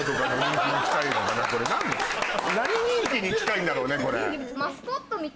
何人気に近いんだろうねこれ。